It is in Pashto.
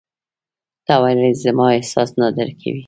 ته ولي زما احساس نه درکوې !